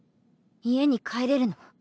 家に帰れるの？